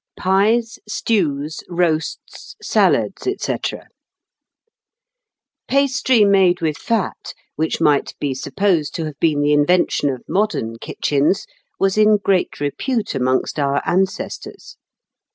Pies, Stews, Roasts, Salads, &c. Pastry made with fat, which might be supposed to have been the invention of modern kitchens, was in great repute amongst our ancestors.